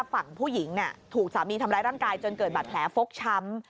ฝั่งผู้หญิงถูกสามีทำร้ายร่างกายจนเกิดบาดแผลฟกช้ำ